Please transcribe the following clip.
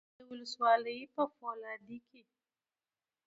د دې ولسوالۍ په فولادي کې